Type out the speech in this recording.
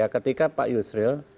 ketika pak yusril